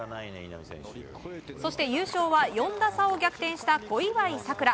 そして、優勝は４打差を逆転した小祝さくら。